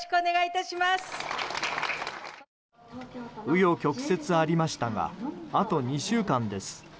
紆余曲折ありましたがあと２週間です。